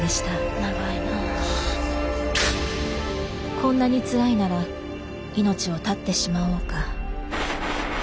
こんなにつらいなら命を絶ってしまおうか。